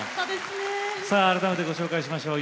改めてご紹介しましょう。